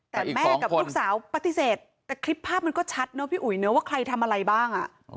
แต่แม่กับลูกสาวปฏิเสธแต่คลิปภาพมันก็ชัดเนอะพี่อุ๋ยเนอะว่าใครทำอะไรบ้าง